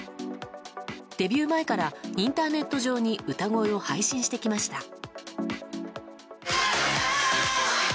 デビュー前からインターネット上に歌声を配信してきました。